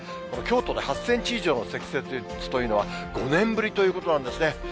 このきょうとで８センチ以上の積雪というのは、５年ぶりということなんですね。